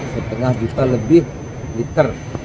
setengah juta lebih liter